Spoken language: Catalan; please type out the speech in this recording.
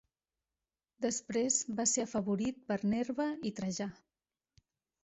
Després va ser afavorit per Nerva i Trajà.